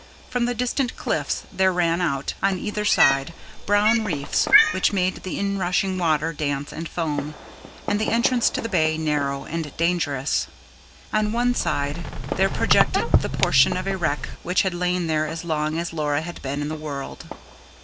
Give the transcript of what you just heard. From the distant cliffs there ran out, on either side, brown reefs, which made the inrushing water dance and foam, and the entrance to the Bay narrow and dangerous: on one side, there projected the portion of a wreck which had lain there as long as Laura had been in the world.